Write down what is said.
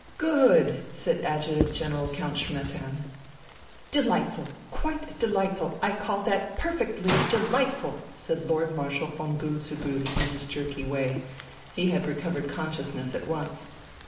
"Good!" said Adjutant General Count Schmettern. "Delightful, quite delightful, I call that perfectly delightful!" said Lord Marshal von Bühl zu Bühl in his jerky way; he had recovered consciousness at once.